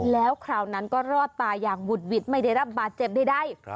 แล้วคราวนั้นก็รอดตายอย่างหุดหวิดไม่ได้รับบาดเจ็บใด